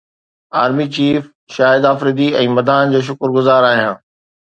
army chief Shahid Afridi ۽ مداحن جو شڪر گذار آهيان